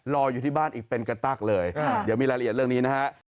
รออยู่ที่บ้านอีกเป็นกระตั๊กเลยเดี๋ยวมีรายละเอียดเรื่องนี้นะฮะ